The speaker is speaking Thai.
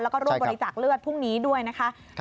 แล้วก็ร่วมบริจาคเลือดพรุ่งนี้ด้วยนะคะ